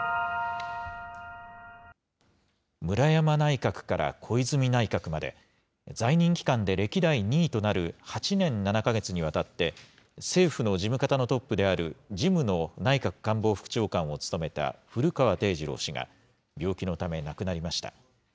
村山内閣から小泉内閣まで、在任期間で歴代２位となる８年７か月にわたって、政府の事務方のトップである、事務の内閣官房副長官を務めた古川貞二郎氏が、病気のため亡くなりました。